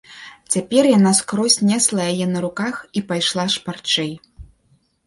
Цяпер яна скрозь несла яе на руках і пайшла шпарчэй.